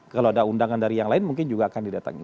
kalau ada undangan dari yang lain mungkin juga akan didatangi